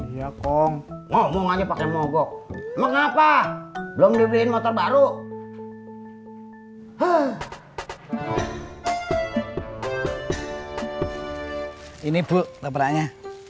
ya kong ngomong aja pakai mogok mengapa belum dibeliin motor baru ini bukannya